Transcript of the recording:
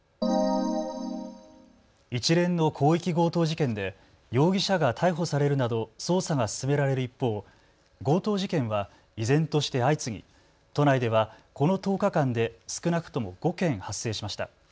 一連の広域強盗事件で容疑者が逮捕されるなど捜査が進められる一方、強盗事件は依然として相次ぎ都内ではこの１０日間で少なくとも５件発生しました。